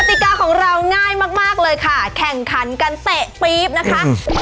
ติกาของเราง่ายมากเลยค่ะแข่งขันกันเตะปี๊บนะคะ